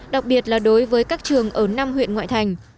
đặc biệt là đối với các trường ở năm huyện ngoại thành